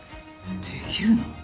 できるの？